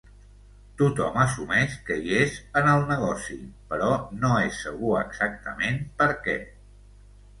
Tothom assumeix que hi és en el negoci, però no és segur exactament per què.